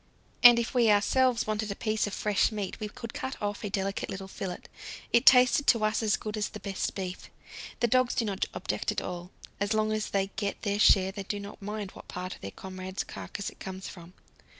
And if we ourselves wanted a piece of fresh meat we could cut off a delicate little fillet; it tasted to us as good as the best beef. The dogs do not object at all; as long as they get their share they do not mind what part of their comrade's carcass it comes from.